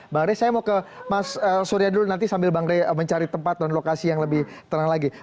bang rey saya mau ke mas surya dulu nanti sambil bang rey mencari tempat dan lokasi yang lebih tenang lagi